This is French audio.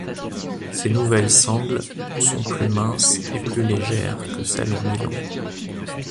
Ces nouvelles sangles sont plus minces et plus légères que celles en nylon.